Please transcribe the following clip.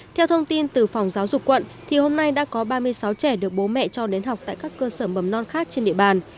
theo thông tin từ phòng giáo dục quận thì hôm nay đã có ba mươi sáu trẻ được bố mẹ cho đến học tại các cơ sở mầm non khác trên địa bàn